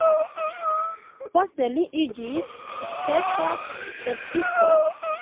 Poste li iĝis sukcesa verkisto.